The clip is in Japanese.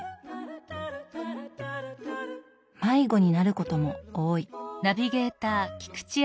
迷子になることも多い。